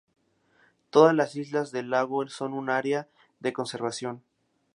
Todas las islas del lago son un área de conservación.